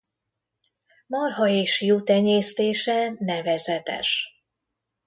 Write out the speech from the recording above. Marha- és juhtenyésztése nevezetes.